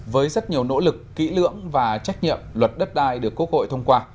với rất nhiều nỗ lực kỹ lưỡng và trách nhiệm luật đất đai được quốc hội thông qua